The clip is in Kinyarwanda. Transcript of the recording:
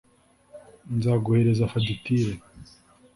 nzaguhereza fagitire